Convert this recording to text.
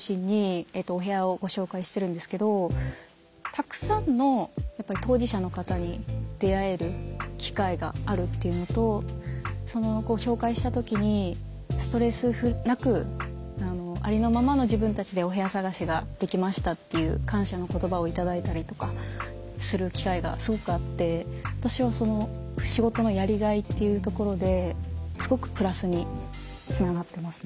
たくさんのやっぱり当事者の方に出会える機会があるっていうのと紹介した時にストレスなくありのままの自分たちでお部屋探しができましたっていう感謝の言葉を頂いたりとかする機会がすごくあって私は仕事のやりがいっていうところですごくプラスにつながってますね。